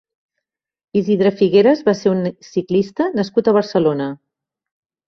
Isidre Figueras va ser un ciclista nascut a Barcelona.